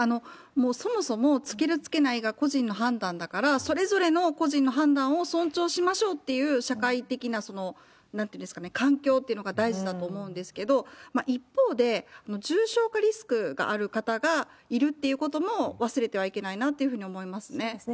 そもそもつける、つけないが個人の判断だから、それぞれの個人の判断を尊重しましょうっていう社会的なその、なんていうんですかね、環境っていうのが大事だと思うんですけど、一方で、重症化リスクがある方がいるっていうことも、忘れてはいけないなと思いますね。